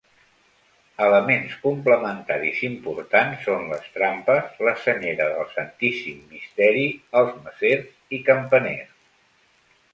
Elements complementaris importants són les trampes, la senyera del Santíssim Misteri, els macers i campaners.